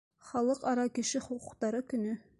— Халыҡ-ара кеше хоҡуҡтары көнө